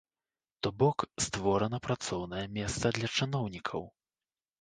То бок, створана працоўнае месца для чыноўнікаў.